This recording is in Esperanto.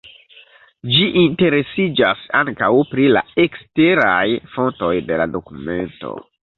Ĝi interesiĝas ankaŭ pri la eksteraj fontoj de la dokumento.